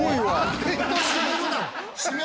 閉めるな！